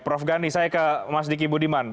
prof gani saya ke mas diki budiman